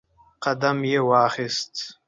قدم یې واخیست